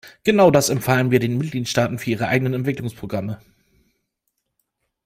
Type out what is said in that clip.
Genau das empfahlen wir den Mitgliedstaaten für ihre eigenen Entwicklungsprogramme.